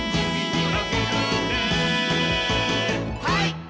はい！